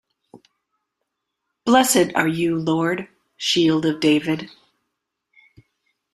Blessed are you "Lord", shield of David.